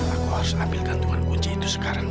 aku harus ambil gantungan kunci itu sekarang